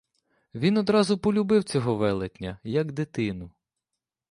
Він одразу полюбив цього велетня, як дитину.